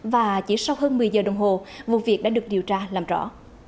và chỉ sau hơn một mươi giờ đồng hồ vụ việc đã được điều tra làm rõ